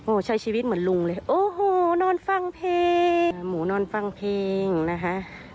ใช้ชีวิตเหมือนลุงเลยโอ้โหนอนฟังเพลงหมูนอนฟังเพลงนะคะ